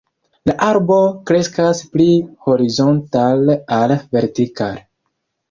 La arbo kreskas pli horizontale ol vertikale.